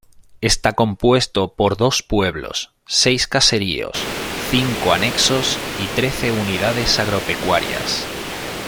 Está compuesto por dos pueblos, seis caseríos, cinco anexos y trece unidades agropecuarias.